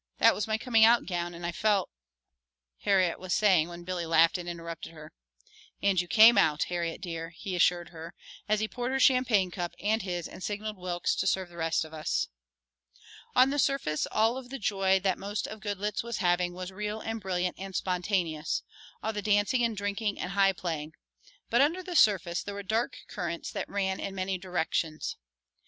That was my coming out gown and I felt " Harriet was saying when Billy laughed and interrupted her. "And you came out, Harriet dear," he assured her, as he poured her champagne cup and his and signaled Wilks to serve the rest of us. On the surface all of the joy that most of Goodloets was having was real and brilliant and spontaneous, all the dancing and drinking and high playing, but under the surface there were dark currents that ran in many directions.